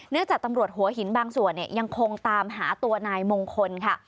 จากตำรวจหัวหินบางส่วนยังคงตามหาตัวนายมงคลค่ะ